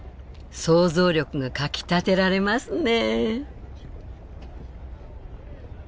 想像力がかきたてられますね。